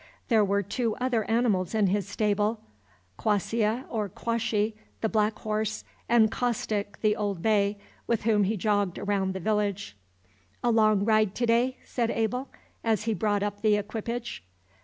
There were two other animals in his stable: Quassia or Quashy, the black horse, and Caustic, the old bay, with whom he jogged round the village. "A long ride to day?" said Abel, as he brought up the equipage.